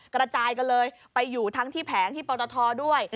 กระจายกันเลยไปอยู่ทั้งที่แผงที่ปตทด้วย